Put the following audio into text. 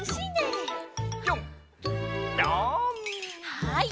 はい。